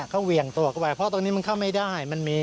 อันนี้ผู้หญิงบอกว่าช่วยด้วยหนูไม่ได้เป็นอะไรกันเขาจะปั้มหนูอะไรอย่างนี้